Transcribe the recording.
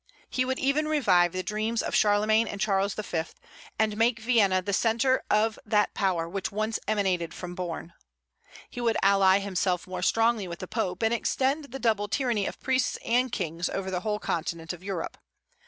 He would even revive the dreams of Charlemagne and Charles V., and make Vienna the centre of that power which once emanated from Borne. He would ally himself more strongly with the Pope, and extend the double tyranny of priests and kings over the whole continent of Europe.